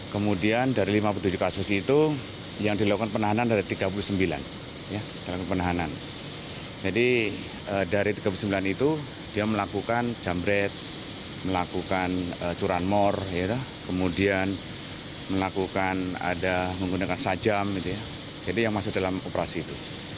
kemudian menggunakan sajam jadi yang masuk dalam operasi itu